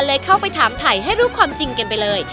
เข้าไปถามถ่ายให้รู้ความจริงกันไปเลย